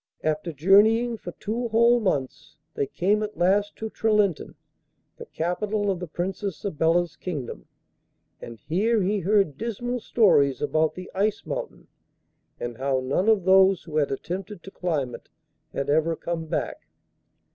After journeying for two whole months they came at last to Trelintin, the capital of the Princess Sabella's kingdom, and here he heard dismal stories about the Ice Mountain, and how none of those who had attempted to climb it had ever come back.